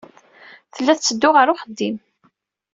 Tella tetteddu ɣer uxeddim.